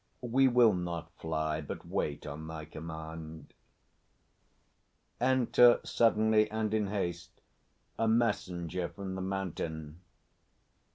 We will not fly, but wait on thy command. [_Enter suddenly and in haste a Messenger from the Mountain.